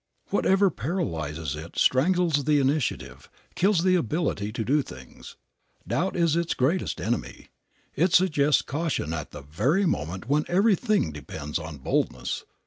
Whatever paralyzes it strangles the initiative, kills the ability to do things. Doubt is its greatest enemy. It suggests caution at the very moment when everything depends on boldness.